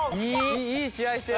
いい試合してる。